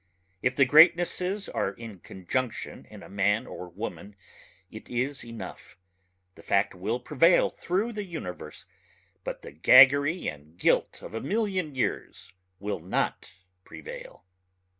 If the greatnesses are in conjunction in a man or woman it is enough ... the fact will prevail through the universe ... but the gaggery and gilt of a million years will not prevail.